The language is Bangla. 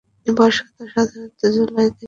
বর্ষা তো সাধারণত জুলাই থেকে শুরু হয়।